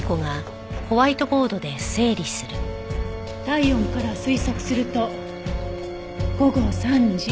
体温から推測すると午後３時。